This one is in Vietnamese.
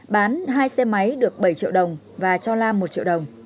bán hai xe máy được bảy triệu đồng và cho lam một triệu đồng